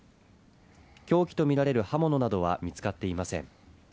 凶器と見られる刃物などは見つかっていません。